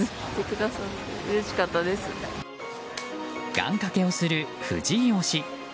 願掛けをする藤井推し。